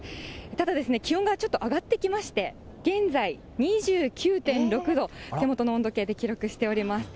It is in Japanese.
ただですね、気温がちょっと上がってきまして、現在、２９．６度、手元の温度計で記録しております。